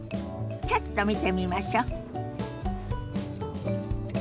ちょっと見てみましょ。